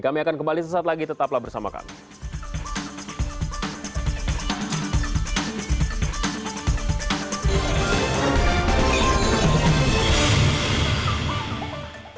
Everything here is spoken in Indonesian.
kami akan kembali sesaat lagi tetaplah bersama kami